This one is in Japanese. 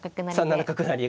３七角成で。